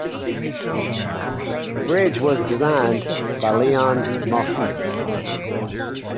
The bridge was designed by Leon Moisseiff.